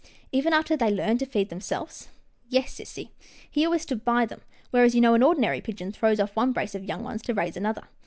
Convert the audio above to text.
" Even after they learned to feed themselves ?"" Yes, sissy, he always stood by them, whereas you know an ordinary pigeon throws off one brace of young ones to raise another.